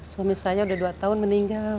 suami saya udah dua tahun meninggal